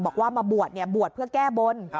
บอกว่ามาบวชบวชเพื่อแก้บน